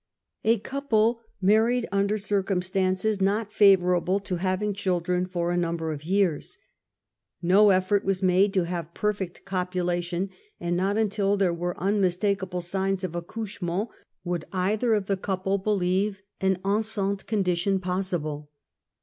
A couple married under circumstances not favorable to having children for a number of years. 'No effort was made to have perfect copulation, and not until there were unmistakable signs of accouchment, would either of the couple believe an enceinte condition possible.